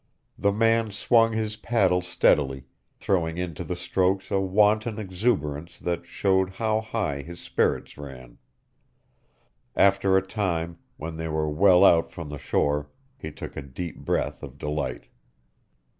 The man swung his paddle steadily, throwing into the strokes a wanton exuberance that showed how high his spirits ran. After a time, when they were well out from the shore, he took a deep breath of delight.